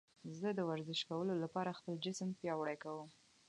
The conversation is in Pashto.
زه د ورزش کولو له لارې خپل جسم پیاوړی کوم.